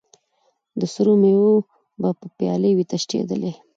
د سرو میو به پیالې وې تشېدلې